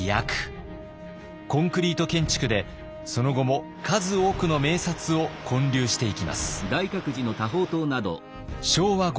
コンクリート建築でその後も数多くの名刹を建立していきます。